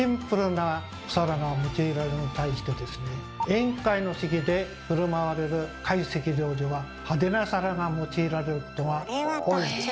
宴会の席で振る舞われる会席料理はハデな皿が用いられることが多いんです。